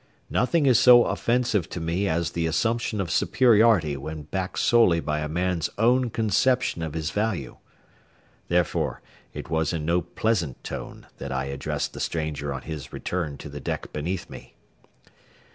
Nothing is so offensive to me as the assumption of superiority when backed solely by a man's own conception of his value. Therefore it was in no pleasant tone that I addressed the stranger on his return to the deck beneath me.